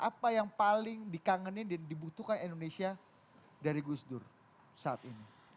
apa yang paling dikangenin dan dibutuhkan indonesia dari gus dur saat ini